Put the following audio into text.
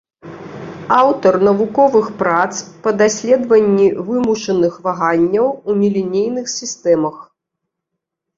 Аўтар навуковых прац па даследаванні вымушаных ваганняў у нелінейных сістэмах.